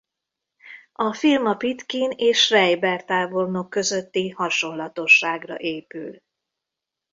A film a Pitkin és Schreiber tábornok közötti hasonlatosságra épül.